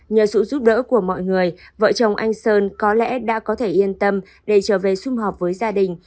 nhờ sự giúp đỡ của mọi người vợ chồng anh sơn có lẽ đã có thể yên tâm để trở về xung họp với gia đình